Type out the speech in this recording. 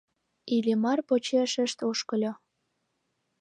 Иллимар почешышт ошкыльо.